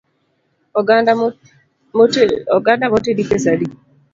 Oganda motedi pesa adi?